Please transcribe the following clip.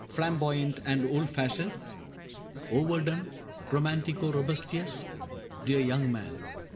Flamboyant and old fashioned ? Overdone ? Romantico robustious ?— Dear young man.